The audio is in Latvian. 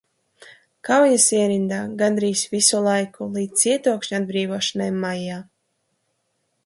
Kaujas ierindā gandrīz visu laiku līdz cietokšņa atbrīvošanai maijā.